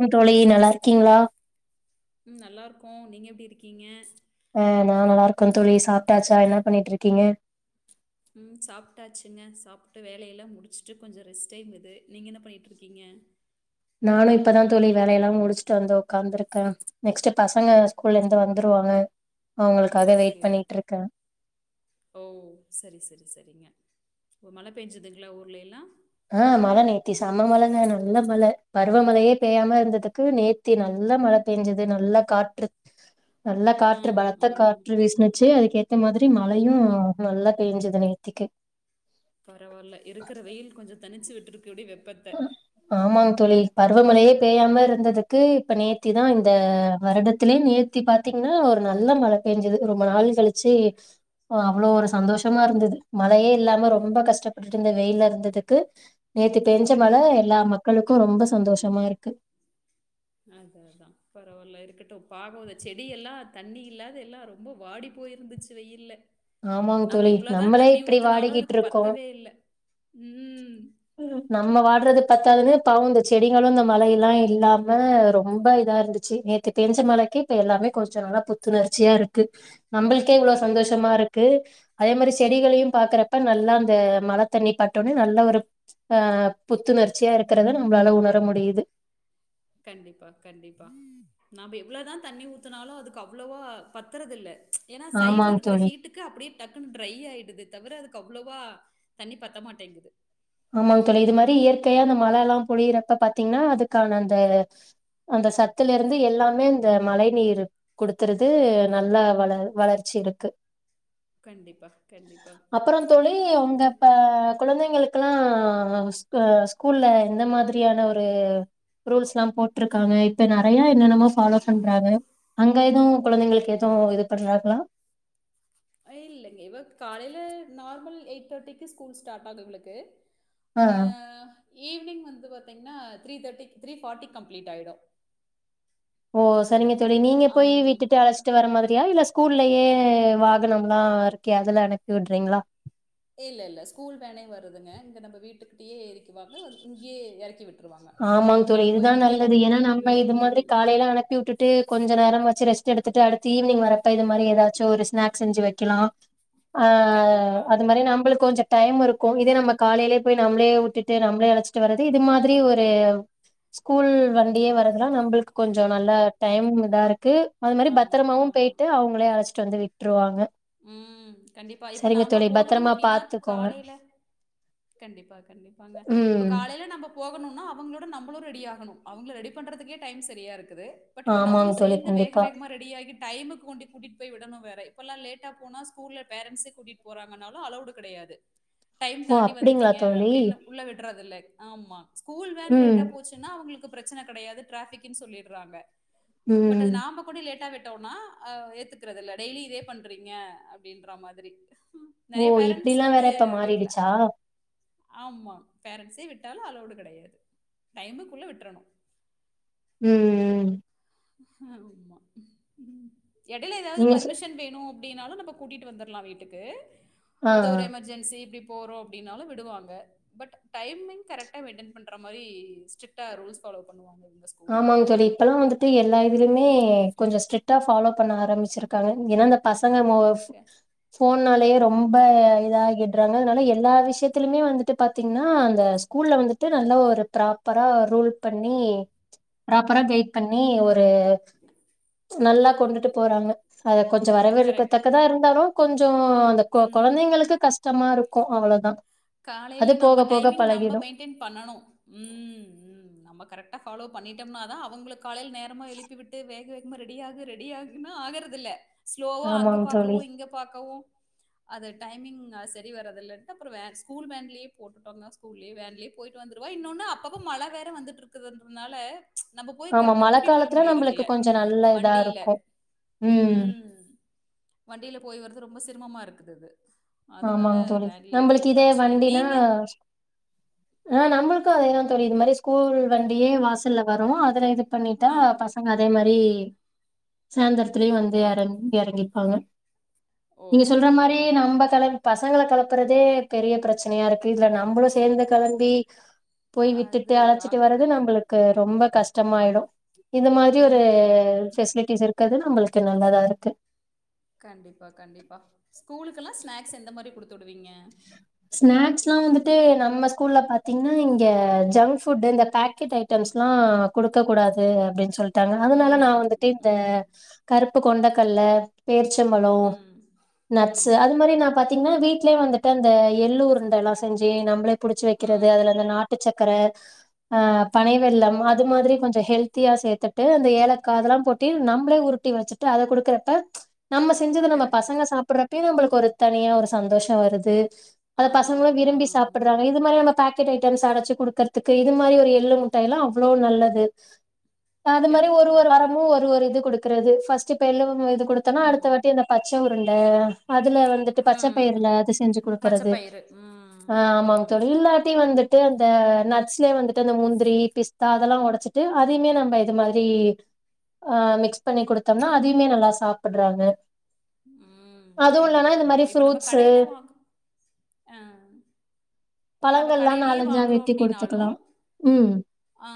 ம் தோழி நல்லா இருக்கீங்களா ம் நல்லாருக்கோ நீங்க எப்டி இருக்கீங்க ஆ நா நல்லா இருக்கே தோழி சாப்டாச்சா என்ன பண்ணிட்டு இருக்கீங்க ம் சாப்டாச்சுங்க சாப்ட்டு வேலையெல்லா முடிச்சுட்டு கொஞ்ச ரெஸ்ட் டைம் இது நீங்க என்ன பண்ணிட்டுருக்கீங்க நானு இப்பதா தோழி வேல எல்லா முடிச்சுட்டு வந்து உக்காந்துருக்கே நெக்ஸ்ட் பசங்க ஸ்கூல்ல இருந்து வந்துருவாங்க அவங்களுக்ககா ஓகே, வெயிட் பண்ணிட்டு ஓகே. இருக்கே ஓ செரி செரி செரிங்க இப்ப மழ பெஞ்சதுங்களா ஊர்லயெல்லா ஆ மழ நெத்தி செம்ம மழங்க நல்ல மழ பருவமழையே பெய்யாம இருந்தது நேத்தி நல்ல மழ பெஞ்சது நல்ல காற்று நல்லா ஆ, காற்று ஆ, பலத்த காற்று வீசினுச்சு அதுக்கேத்த மாதிரி ஆ. மழையு நல்லா பெஞ்சது நேத்திக்கு பரவால்ல இருக்கிற வெயில் கொஞ்ச தனிச்சு விட்டுருக்கு அப்டி வெப்பத்த ஆமாங்க தோழி பருவமழையே பெய்யாம இருந்ததுக்கு இப்ப நேத்திதா இந்த வருடத்திலேயே நே நேத்தி பாத்தீங்கன்னா ஒரு நல்ல மழ பெஞ்சது ரொம்ப நாள் கழிச்சு அவ்ளோ ஒரு சந்தோஷமா இருந்தது மழையே இல்லாம ரொம்ப கஷ்டப்பட்டு இந்த வெயில இருந்ததுக்கு நேத்து பெஞ்ச மழ கண்டிப்பா. எல்லா மக்களுக்கு ரொம்ப சந்தோஷமா இருக்கு அதுஅதா பரவால்ல இருக்கட்டு பாவோ இந்த செடிய எல்லா தண்ணி இல்லாத எல்லா ரொம்ப வாடி போயிருந்துச்சு வெயில்ல ஆமாங்க நம்ம தோழி எவ்வளதா நம்மளே தண்ணி இப்டி ஊத்தனாலு வாடிக்கிட்டு அதுக்கு இருக்கோ பத்தவே இல்ல ம் நம்ம வாடறது பத்தாதுன்னு பாவோ இந்த செடிகளு இந்த மழையெல்லா இல்லாம ரொம்ப இதா இருந்து ச்சு நேத்து பெஞ்ச மழைக்கு இப்ப எல்லாமே கொஞ்சோ நல்லா புத்துணர்ச்சியா இருக்கு நம்பளு க்கே இவ்ளோ பரவால்ல. சந்தோஷமா இருக்கு அதே மாரி செடிகளையும் பாக்கற அப்ப நல்லா அந்த மழ தண்ணி பட்டோனே நல்ல ஒரு ஆ புத்துணர்ச்சியா இருக்கிறத நம்ளால உணர முடியுது கண்டிப்பா கண்டிப்பா நாம எவ்வளவுதா தண்ணி ஊத்துனாலு அதுக்கு அவ்வளவா பத்துறது இல்ல ஏன்னா சைடுல ஆமாங் இருக்கிற தோழி ஹீட் டுக்கு அதுக்கு அப்டியே டக்குன்னு ட்ரை ஆயிடுது தவிர அதுக்கு அவ்ளோவா தண்ணி பத்தமாட்டேங்குது ஆமாங்க தோழி இது மாரி இயற்கையா அந்த மழ எல்லா பொழியறப்ப பாத்தீங்கன்னா அதுக்கான இந்த அந்த சத்துல இருந்து எல்லாமே இந்த மழை நீரு குடுத்துறது நல்ல வள வளர்ச்சி இருக்கு கண்டிப்பா, கண்டிப்பா. அப்புற தோழி உங்க சரி இப்ப குழந்தைங்களு கள ஸ் அ ஸ்கூல்ல எந்த மாரி ரியான ஒரு ரூல்ஸ்ல்லா போட்டுருக்காங்க இப்ப நெறைய என்னென்னமோ ஃபாலோ பண்றாங்க அங்க எதுவு கொழந்தைங்களுக்கு இப்ப ஏதவு இது பண்றாங்களா இல்லங்க இவ காலையில்ல நார்மல் எயிட் தேர்ட்டிக்கு ஸ்கூல் ஸ்டார்ட் ஆகு இவளுக்கு ஆ அ ஈவினிங் வந்து பாத்தீங்கன்னா three thirty three forty complete ஆயிடு ஓ சரிங்க தோழி நீங்க போய் அம் விட்டுட்டு அழச்சிட்டு வர மாதிரியா இல்ல ஸ் கூல்லயே வாகனம்லா இருக்கே அதுல அனுப்பி விடுறீங்களா இல்ல இல்ல ஸ்கூல் வேனே வருதுங்க இங்க நம்ம வீட்டுக்கிட்டயே ஏறிக்குவாங்க இங்கேயே எறக்கி விட் ஆமாங்க தோழி இதுதா நல்லது ஏன்னா நம்ம இது மாதிரி ம். காலையில அனுப்பி விட்டு டுட்டு கொஞ்ச நேரமாச்சு ரெஸ்ட் எடுத்துட்டு அடுத்து ஈவ்னிங் வரப்ப இது மாரி எதாச்சு ஒரு ஸ்னாக்ஸ் செஞ்சு வக்கலா ஆ கண்டிப்பா. அது மாரி நம்மளு கொஞ்சோ டைம் இருக்கு இதே நம்ம காலையிலயே போய் நம்ளே விட்டுட்டு நம்ளே அழைச்சிட்டு வருது இது மாதிரி ஒரு ஸ்கூல் வண்டியே வரதுனால நம்மளுக்கு கொஞ்சோ நல்ல டைம் இதாருக்கு அது மாரி ஆமா, பத்தரமாவு ஆமா. போய்ட்டு அவுங்களே அழச்சிட்டு வந்து விட்டுருவாங்க ம் கண்டிப்பா இப்ப சரிங்க நாம்ப தோழி போகணு பத்திரமா அப்டின்னா பாத்துக்கோங்க காலையில கண்டிப்பா கண்டிப்பாங்க இப்ப ம் காலையில நம்ம போகணுனா அவுங்களோட நம்மளு ரெடி ஆகணு அவுங்கள ரெடி பண்றதுக்கே டைம் சரியா இருக்குது பட் இப்ப ஆமாங்க நம்மளலு தோழி சேந்து வேக கண்டிப்பா வேகமா ரெடி ஆகி டைமுக்கு கொண்டி கூட்டி போய் விடணு வேற இப்பல்லா லேட்டா போனா ஸ்கூல்ல பேரன்ட்ஸே கூட்டி போறாங்கன்னாலு அலோடு கெடையாது டைம் ஓ தாண்டி அப்டிங்களா வந்துட்டீங்க தோழி அப்டின்னு உள்ள விடுறதில்ல ஆமா ஸ்கூல் வேன் ம் லேட்டா போச்சு னா அவுங்களுக்கு பிரச்சன கெடையாது டிராபிக்னு சொல்லிடுறாங்க பட் ம் அது நாம கூடி லேட்டா விட்டோனா அ ஏத்துக்கறதில்ல டெய்லி இதே பண்றீங்க அப்டின்ற மாதிரி ஓ நெறைய பேரண்ட்ஸ் இப்டிலா வந்து வேற இப்ப வீட்ல மாறிடுச்சா ஆமா பேரண்ட்ஸே விட்டாலு அலோடு கெடையாது டைமுக்குள்ள விட்றனு ம் ஹாமா எடையில எதாது நீங்க சொ பர்மிஷன் வேணு அப்டினாலு நம்ம கூட்டிட்டு வந்தர்லா வீட்டுக்கு ஆ அது ஒரு எமர்ஜென்சி இப்டி போறோ அப்டினாலு விடுவாங்க பட் டைமிங் கரெக்ட்டா மெயின்டன் பண்ற மாரி ஸ்ட்ரிக்ட்டா ரூல்ஸ் பாலோ பண்ணுவாங்க ஸ்கூல்ல ஆமாங்க தோழி இப்பல்லா வந்துட்டு எல்லா இதுலயுமே கொஞ்சோ ஸ்ட்ரிக் ட்டா பாலோ பண்ண ஆரம்பிச்சிருக்காங்க ஏனா அந்த பசங்க க போன்னாலேயே ரொம்ப இதாகிடுறாங்க அதுனால எல்லா விஷயத்திலுமே வந்துட்டு பாத்தீங்கன்னா அந்த ஸ்கூல்ல வந்துட்டு நல்லா ஒரு ப்ராப்பரா ரூல் பண்ணி ப்ராப்பரா கயிட் பண்ணி ஒரு நல்லா கொண்டுட்டு போறாங்க அத கொஞ்சோ கரெக்ட் வரவேற்கத்தக்கதா இருந்தாலு கொஞ்சோ அந்த கொ ம் கொழந்தைங்களுக்கு கஷ்டமா இருக்கு அவ்ளதா காலையில நம்ம டைமிங் நம்ம மெயின் ட்டெய்ன் பண்ணனு ம் ம் நம்ம கரெக்ட்டா பாலோ பண்ணிட்டோம்னா தா அவுங்களுக் காலையில நேரமா எழுப்பி விட்டு வேக வேகமா ரெடி ஆகு ரெடி ஆகுன்னா ஆகுறதில்ல ஸ்லோவா அங்க ஆமாங் பாக்கவு தோழி இங்க பாக்கவு அது டைமிங் சரி வரதில்லன்டு அப்புறோ வேற ஸ்கூல் வேன்லேயே போட்டுட்டோங்க ஸ்கூல்லேயே வேன்லேய போயிட்டு வந்துருவா இன்னொன்னு அப்பப்போ மழ வேற வந்துட்டுருக்குறதுன்றனால நம்ம போய் ஆமா கரெக்ட்டா மழ கூட்டிட்டு வர காலத்துல நம்பளுக்கு முடியறதில்ல கொஞ்சோ நல்ல இதா வண்டில இருக்கு ம் வண்டில போய் வரது ரொம்ப சிரமமா இருக்குது இது ஆமாங்க தோழி நம்மளுக்கு இதே வண்டினா நீங்க ஆ நம்மளுக்கு அதேதா தோழி இந்த மாரி ஸ்கூல் வண்டியே வாசல்ல வரு அதுல இது பண்ணிட்டா ஆ பசங்க அதே மாரி சேந்தரத்திலேயே வந்து ஓ எறங்கிருப்பாங்க நீங்க ஓகே சொல்ற மாரியே ஓகேங்க நம்ப கெள பசங்கள கெளப்பறதே பெரிய பிரச்சனையா இருக்கு இதுல நம்மளு சேந்து கெளம்பி போய் அது விட்டுட்டு அழச்சிட்டு வர்றது ஆகறதில்ல நம்மளுக் கு ரொம்ப கஷ்டமாயிடு இந்த மாதிரி ஒரு ம் ம் பெசிலிட்டிஸ் இருக்குறது நம்மளுக்கு சின்னதாக இருக்கு கண்டிப்பா கண்டிப்பா ஸ்கூலுக்கு லா ஸ்நாக்ஸ் எந்த மாரி குடுத்துடுவீங்க ஸ்நாக்ஸ் லா வந்துட்டு நம்ம ஸ்கூல்ல பாத்தீங்கன்னா இங்க ஜங்க் ஃபுட்டு் இந்த பேக்கெட் ஐ ஜம்ஸ் லா குடுக்க கூடாது அப்டின்னு சொல் தராதனால நா ம் விட்டுட்டே ம் கருப்பு கொண்டக்கல்ல பேர்ச்சபலோ ம் நட்ஸ் ம் அது மாரி நா பாத்தீங்கன்னா வீட்லயே வந்து க அந்த எள்ளுருண்டலா செஞ்சு நம்மளே புடிச்சி வைக்கிறது அதுல ம். அந்த நாட்டு சக்கர அ பனைவெள்ளம் அது கரெக்ட்டு, மாதிரி கொஞ் ஹெல்த்தியா சேர்த்துட்டு அந்த ஏலக்கா அதலா போட்டு நம்மளே உருட்டி வச்சிட்டு அத குடுக்குறப்ப நம்ம செஞ்சத நம்ம கரெக்ட்டு. பசங்க சாப்பிடறப்பே நம்மளுக்கு ஒரு தனியா ஒரு சந்தோஷோ வருது அத ஆ, பசங்களே ஆ, ஆ. விரும்பி சாப்பிட இது மாதிரியான பாக்கெட் ஐடம்ஸ் அடைச்சி குடுக்கறதுக்கு இது மாரி ஒரு எள்ளு முட்டாய் லா அவ்ளோ நல்லது இப்ப அது மாரி ஒரு கரெக்ட்டுங்க. ஒரு வாரமு ஒரு ஒரு இது குடுக்குறது ஃபர்ஸ்ட் இப்ப [unintelligible] குடுத்தன்னா அடுத்த ம், வாட்டி அந்த பச்சஉருண்ட அதுல வந்துட்டு ம். பச்சபயிரல அத செஞ்சு பச்ச குடுக்கறது பயிறு. ம், ஆ ஆமாங்க ம், தோழி இல்லாட்டி வந்துட்டு அந்த நட்ஸ்லயே வந்துட்டு அந்த முந்திரி பிஸ்தா அதெல்லா உடைச்சிட் டு அதையுமே நம்ம இது மாரி அ மிக்ஸ் பண்ணி குடுத்தம்னா அதையுமே நல்லா சாப்ட்றாங்க ம் கண்டிப்பா மாரி கண்டிப்பா இப்ப நம்ம ஃப்ரூட்ஸு கடையில வாங் அ இப்ப நம்ம பழங்கள்லா கடையிலயே நாலஞ்சா வாங்குறோ வெட்டி அப்டினாலு குடுத்துக்கலா ம் அ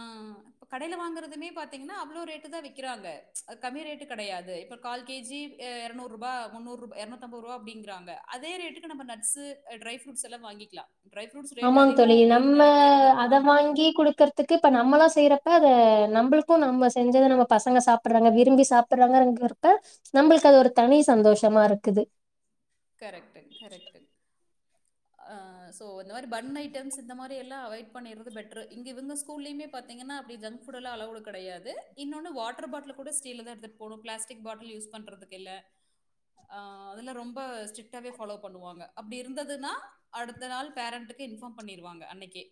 இப்ப கடையில வாங்கறதுமே பாத்தீங்கன்னா அவ்ளோ ரேட்டு தா விக்கிறாங்க கம்மி ரேட்டு கிடையாது இப்ப கால்கேஜி அ இரநூறு ரூபா முன்னூற் ரூ இரநூத்தம்பது ரூபா அப்டிங்கறாங்க அதே ரேட்டுக்கு நம்ம நட்ஸ்சு ட்ரை ஃப்ரூட்ஸ் எல்லா வாங்கிக்கலா டரைஃப்ரூட்ஸ் ஆமாங்க தோழி நம்ம அத வாங்கி குடுக்கற்த் க்கு இப்ப நம்மளா செய்றப்ப அத நம்ளுக்கு நம்ம செஞ்சத நம்ம பசங்க சாப் பிட்றாங்க விரும்பி சாப்பிடறாங்ககிறப்ப நம்மளுக்கு அது ஒரு தனி சந்தோஷமா இருக்குது கரெக்ட் கரெக்ட் அ சோ இந்த மாரி பன் ஐட்டம்ஸ் இந்த மாரி எல்லா அவாய்ட் பண்ணிடறது பெட்ரு இங்க இவங்க ஸ்கூல்லயுமே பாத்தீங்கன்னா அப்டி ஜங்க் ஃபுட்ல்லா அளவுடு கிடையாது இன்னொன்னு வாட்டர் பாட்டிலு கூட ஸ்டீல்ல தா எடுத்துட்டு போடும் பிளாஸ்டிக் பாட்டில் யூஸ் பண்றதுக்கு இல்ல அ அதுல்ல ரொம் ப ஸ்டிட்டாவே பாலோ பண்ணுவாங்க அப்டி இருந்ததுன்னா அடுத்த நாள் பேரண்ட்டுக்கு இன்பார்ம் பண்ணிருவாங்க அன்னைகே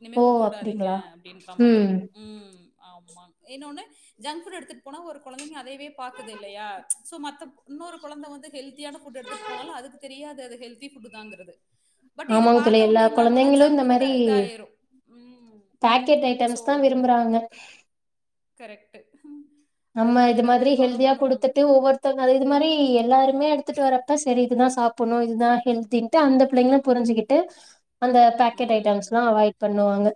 இனிமேல் ஓ குடுத்து விடாதீங்க அப்டிங்களா அப்டின்ற மாதிரி ம் ம் ஆமா இன்னொன்னு ஜங்க் ஃபுட் எடுத்துட்டு போனா ஒரு கொழந்தைங்க அதையவே பாக்குது இல்லையா சோ மத்தப் இன்னொரு கொழந்த வந்து ஹெல்தியா ஃபுட் எடுத்துட்டு போனாலு அதுக்கு தெரியாது அது ஹல்திஃபுட்டு தாங்கறது பட் இத ஆமாங்க தோழி பாத்த எல்லா உடனே என்னாகுன்னா கொழந்தைங்களு ஜங்க் ஃபுட்டு இதாயிரு ம் பாக்கெட் ஐட்டம்ஸ் தா விரும்புறாங்க கரெக்ட் நம்ம இது மாதிரி ஹெல்தியா குடுத்துட்டு ஒவ்வொரு மத்தவங்க இது மாதிரி எல்லாருமே எடுத்துட்டு வரப்ப சேரி இதுதா சாப்புணு இதுதா ஹெல்தின்ட்டு அந்த புள்ளைங்களு புரிஞ்சிகி ட்டு அந்த பேக்கெட் ஐட்டம்ஸ் ம். எல்லா அவாய்ட் பண்ணுவாங்க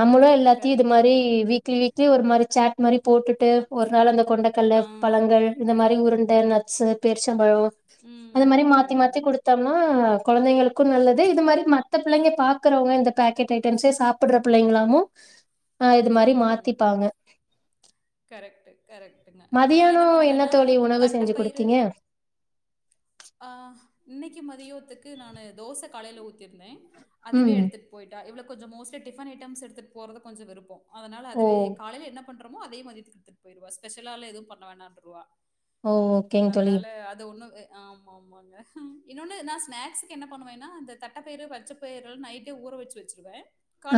நம்மளு எல்லாத்தையு இது கரெக்ட்டு, மாரி கரெக்ட்டுங்க. வீக்லி வீக் வீட்லயே ஒரு மாரி சேட் மாரி போட்டுட்டு ஒரு நாள் அந்த கொண்டக்கல்ல ஆ. பழங்கள் இந்த மாறி உருண்ட நட்ஸ்சு பேரிச்சம்பழோ அது ம், மாறி மாத்தி மாத்தி ம், குடுத் தம்மா கொழந்தைங்களுக்கு நல்லது இது மாறி மத்த பிள்ளைங்க பாக்கறவுங்க இந்த பாக்கெட் ஐட்டம்ஸே சாப் பட்ற பிள்ளைங்களாவு அ இது மாறி ம். மாத்திப்பாங்க கரெக்ட்டு கரெக்டுங்க இப்ப நா மதியானோ என்ன பண்ணுவேன்னா தோழி உணவு செஞ்சு தட்டப்பயிறு குடுத்தீங்க? அ இன்னிக்கு மதியோத்துக்கு நானு தோச காலைல ஊத்தியிருந்த அதுவே ம். எடுத்துட்டு போயிட்டா இவளுக் கொஞ்சோ மோஸ்ட்லி டிஃபன் ஐட்டம்ஸ் எடுத்துட்டு போறது கொஞ்சோ விருப்போ அதனால ஓ அதுவே காலைல என்ன பண்றமோ அதே மதியத்துக்கு எடுத்துட்டு போயிருவா ஸ்பெஷலால்லா எது பண்ண வேண்டான்னுருவா ஓ ஓகேங் தோழி. அதனால அது ஒண்ணு அ ஆமா ஆமாங்க இன்னொன்னு நா ஸ்நாக்ஸ்க்கு என்ன பண்ணுவேன்னா இந்த தட்டப்பயிறு பச்சப் பயிறுலா நைட்டே ஊற வச்சு வச்சிருவே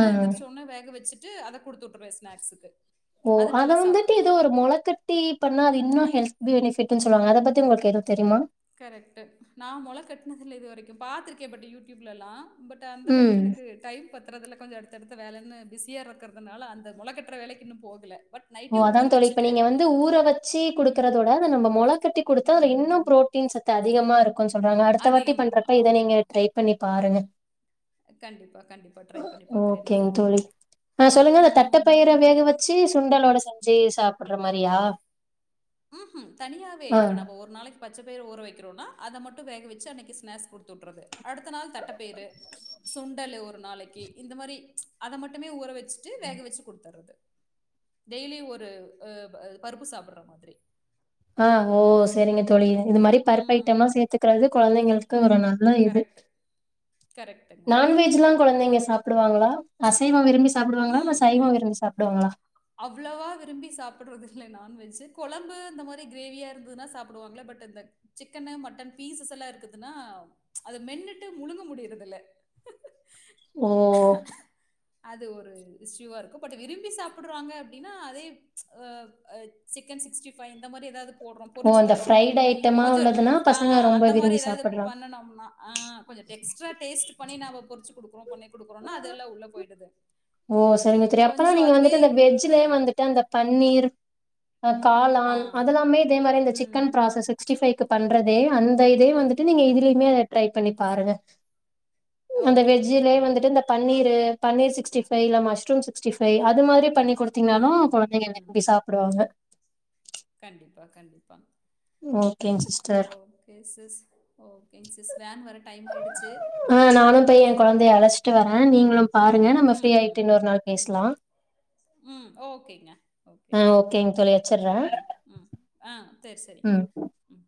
ஆ எந்திரச்சோன்னே வேக வச்சிட்டு அத குடுத்து உட்டுருவே ஸ்நாக்ஸ்சுக்கு ஓ அத வந்துட்டு ஏதோ ஒரு மொளக்கட் டி பண்ணா அது இன்னு ஹெல்த் பெனிஃபிட்டுன்னு சொல்லுவாங்க அத பத்தி உங்களுக்கு ஏது தெரியுமா கரெக்ட்டு நா மொள கட்னதில்ல இது வரைக்கு பாத்துருக்கே பட் யூடியூப்லல்லா பட் அந்த ம். அளவுக்கு எனக்கு டைம் பத்தறதுல்ல கொஞ்சோ அடுத்த அடுத்த வேலைன்னு பிஸியா இருக்கறதுனால அந்த மொளக்கட்ற வேலைக்கு இன்னும் போகல பட் ஓ நைட்டே அதா ஊற தோழி இப்ப வச்சுட்டு நீங்க வந்து ஊற வச்சு ம், குடுக்கறதோட அத நம்ப மொள கட்டி கொடுத்தா அதுல இன்னு ம். ப்ரோ ட்டீன் சத்து அதிகமா இருக்கு சொல்றாங்க அடுத்த வாட்டி அதிகமா. பண்றப்ப இத ஆமா. நீங்க ட்ரை பண்ணி பாருங்க கண்டிப்பா, கண்டிப்பா. ட்ரை பண்ணி பாக்குறேன் ஓகேங் நானும். தோழி ஆ சொல்லுங்க அந்த ஆம். தட்டப்பயிர ம். வேகவச் சி சுண்டலோட செஞ்சு சாப்பட்ற மாரியா ம்ஹும் தனியாவே ஆ. இப்ப நம்ப ஒரு நாளைக்கு பச்சப்பயிறு ஊற வெக்கறோனா அத மட்டு வேக வச்சி அன்னைக்கு ஸ்னாக்ஸ் குடுத்துவுட்றது அடுத்த நாள் தட்டப்பயிரு சுண்டல்லு ஒரு நாளைக்கு இந்த மாரி அத மட்டுமே ஊற வச்சுட்டு வேக வச்சு கொடுத்தர்றது டெய்லி ஒரு ஒ அ ப பருப்பு சாப்பிட்ற மாதிரி அ ஓ சரிங்க தோழி இது மாரி பருப்பு ம் ஐட்டமா சேத்துக்கறது கொழந்தைங்களுக்கு ஒரு ந ல்ல இது கரெக்ட் கரெக்ட்டுங்க நான்வெஜ்லா கொழந்தைங்க சாப்ட்ருவாங்களா அசைவோ விரும்பி சாப்டுவாங்களா இல்ல சைவோ விரும்பி சாப்டுவாங்களா அவ்ளவா விரும்பி சாப்பிட்றதில்ல நான்வெஜ்ஜூ கொழம்பு இந்த மாரி கிரேவியா இருந்துன்னா சாப்டுவாங்கள பட் இந்த சிக்கன்னு மட்டன் பீசஸ் எல்லா இருக்குதுன்னா அத மென்னுட்டு முழுங்க முடியறது இல்ல ஓ அது ஒரு இஷ்யூவா இருக்கு பட் விரும்பி சாப்புடுறாங்க அப்டின்னா அதே அ அ சிக்கன் சிக்ஸ்டிஃபை இந்த மாரி எதாது போடுறோ ஓ! பொரிச்சி அந்த தரோ ஃப்ரைடு ஐட்டமா கொஞ்சோ உள்ளதுன்னா ஆ பசங்க ரொம்ப அந்த மாரி விரும்பி ஏதாவது சாப்பிடுறாங்க. பண்ணனோம்னா ஆ கொஞ்சோ டெக்ஸ்ட்ரா டேஸ்ட்டு பண்ணி நாம பொறிச்சு குடுக்குறோ பண்ணி குடுக்கறோனா அதெல்லா உள்ள போயிடுது ஓ சரிங்க தோரி அப்பன்னா கொஞ்சம் நீங்க அதுவே வந்துட்டு அந்த வெஜ்லயே வந்துட்டு அந்த பன்னீர் அ ஆ காளான் அதெல்லாமே இதே மாரியே இந்த ம் சிக்கன் ப்ராசஸ் சிக்ஸ்ட்டிஃபைவ்க்கு பண்றதே அந்த இதே வந்துட்டு நீங்க க இதுலயுமே அத ட்ரை பண்ணி பாருங்க அந்த ஓகே வெஜ்ஜிலயே ஓகேங்க. வந்துட்டு இந்த பன்னீரு பன்னீர் சிக்ஸ்டி ஃபைல மஷ்ரூம் சிக்ஸ்டிஃப்பை அது மாரி பண்ணி கொடுத்தீங்கனாலு ம் கொழந்தைங்க ம். விரும்பி சாப்புடுவாங்க கண்டிப்பா கண்டிப்பா ஓகேங் சிஸ் ஓகே சிஸ் ஓகேங் சிஸ் வேன் வர டைம் ஆயிடுச்சு ஆ நானு போய் எ கொழந்தைய அழஸ்ட்டு வரே அஹ், நீங்களு பாருங்க நம்ம ஃப்ரீ ம், ம். ஆய்ட்டு இன்னொரு நாள் ம், பேசலா ம் ஓகேங்க ஓகே ம் ஓகேங் தோழி வச்சுற ம் ம் ஆ தேர் சரிங்க ம் ம்.